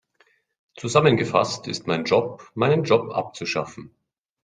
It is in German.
Zusammengefasst ist mein Job, meinen Job abzuschaffen.